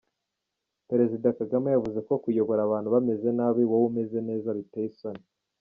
Perezida Kagame yavuze ko kuyobora abantu bameze nabi wowe umeze neza, biteye isoni.